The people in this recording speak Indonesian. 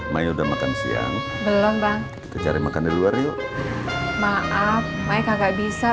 maen udah makan siang belum bang cari makan di luar yuk maaf maika nggak bisa